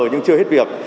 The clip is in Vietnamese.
nhưng chưa hết việc